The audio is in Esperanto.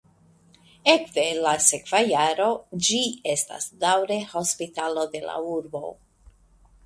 Ekde la sekva jaro ĝi estas daŭre hospitalo de la urbo.